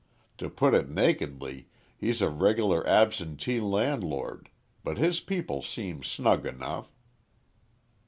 To put it nakedly he's a regular absentee landlord, but his people seem snug enough."